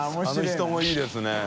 △凌佑いいですね